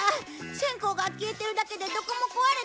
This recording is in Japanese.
線香が消えてるだけでどこも壊れてない。